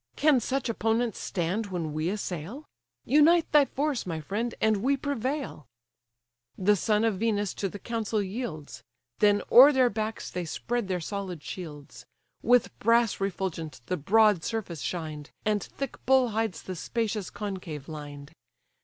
Can such opponents stand when we assail? Unite thy force, my friend, and we prevail." The son of Venus to the counsel yields; Then o'er their backs they spread their solid shields: With brass refulgent the broad surface shined, And thick bull hides the spacious concave lined.